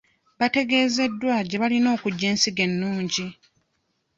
Bategezeddwa gye balina okugya ensigo ennungi.